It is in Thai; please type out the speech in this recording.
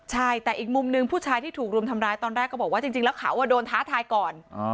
ใช่แต่อีกมุมหนึ่งผู้ชายที่ถูกรุมทำร้ายตอนแรกก็บอกว่าจริงแล้วเขาโดนท้าทายก่อน